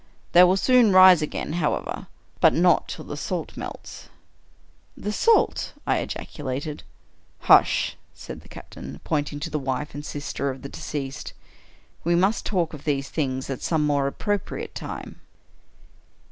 They will soon rise again, however — but not till the salt melts." "The salt!" I ejaculated. " Hush! " said the captain, pointing to the wife and sis ters of the deceased. " We must talk of these things at some more appropriate time."